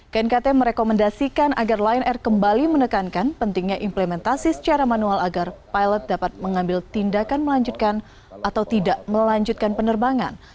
knkt merekomendasikan agar lion air kembali menekankan pentingnya implementasi secara manual agar pilot dapat mengambil tindakan melanjutkan atau tidak melanjutkan penerbangan